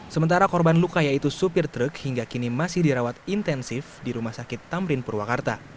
sementara korban luka yaitu supir truk hingga kini masih dirawat intensif di rumah sakit tamrin purwakarta